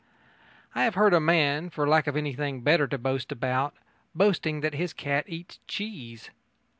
I have heard a man, for lack of anything better to boast about, boasting that his cat eats cheese.